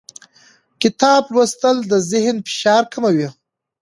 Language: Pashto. کتاب لوستل د ذهني فشار کموي